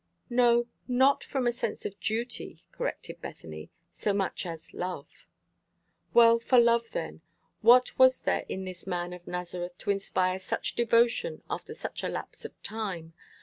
"No, not from a sense of duty," corrected Bethany, "so much as love." "Well, for love then. What was there in this man of Nazareth to inspire such devotion after such a lapse of time?